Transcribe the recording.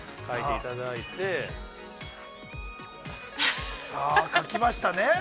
◆さあ書きましたね。